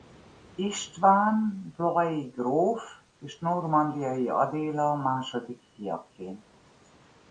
István blois-i gróf és Normandiai Adéla második fiaként.